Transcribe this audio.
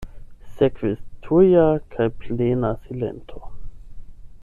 Sekvis tuja kaj plena silento.